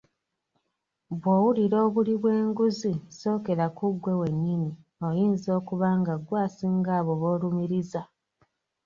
Bwowulira obuli bwenguzi sookera ku ggwe wennyini oyinza okuba gwe asinga abo boolumiriza.